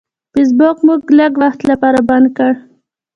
فیسبوک مې لږ وخت لپاره بند کړ.